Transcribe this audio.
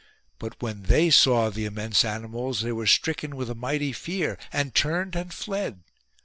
But when they saw the immense animals they were stricken with a mighty fear and turned and fled.